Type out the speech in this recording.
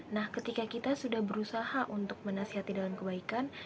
nah ketika kita sudah berusaha untuk menasihati dalam kebaikan